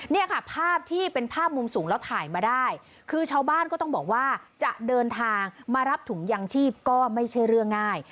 เนี่ยค่ะภาพที่เป็นภาพมุมสูงแล้วถ่ายมาได้คือชาวบ้านก็ต้องบอกว่าจะเดินทางมารับถุงยางชีพก็ไม่ใช่เรื่องง่าย